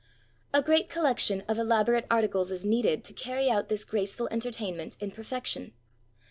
A great collection of elaborate articles is needed to carry out this graceful entertainment in perfection.